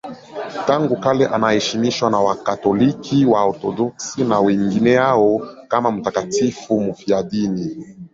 Tangu kale anaheshimiwa na Wakatoliki, Waorthodoksi na wengineo kama mtakatifu mfiadini.